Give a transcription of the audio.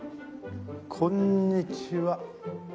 こんにちは。